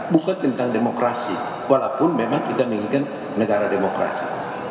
bukan tentang demokrasi walaupun memang kita menginginkan negara demokrasi